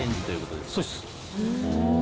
そうです。